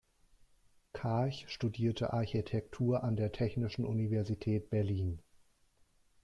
Karch studierte Architektur an der Technischen Universität Berlin.